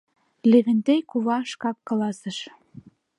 Левентей кува шкак каласыш...